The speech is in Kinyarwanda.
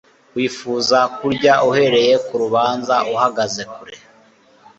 Wifuza kurya uhereye ku rubanza uhagaze kure